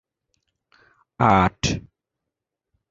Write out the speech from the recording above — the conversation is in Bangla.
আট